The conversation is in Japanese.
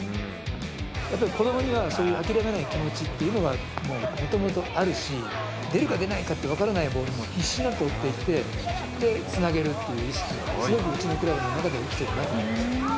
やっぱり子どもにはそういう諦めない気持ちっていうのがもともとあるし、出るか出ないかって分からないボールも、必死になって追っていって、つなげるという意識が、すごくうちのクラブでは生きてるなと思います。